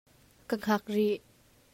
Ka hngak rih.